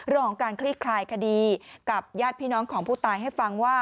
เรื่องของการคลี่คลายคดีกับญาติพี่น้องของผู้ตายให้ฟังว่า